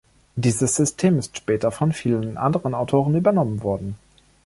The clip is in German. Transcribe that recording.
Dieses System ist später von vielen anderen Autoren übernommen worden.